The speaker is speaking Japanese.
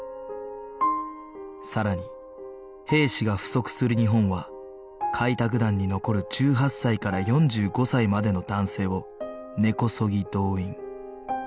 さらに兵士が不足する日本は開拓団に残る１８歳から４５歳までの男性を根こそぎ動員